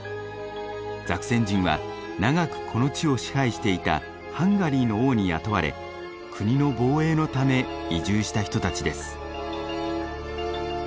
ザクセン人は長くこの地を支配していたハンガリーの王に雇われ国の防衛のため移住した人たちです。